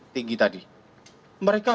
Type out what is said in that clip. tinggi tadi mereka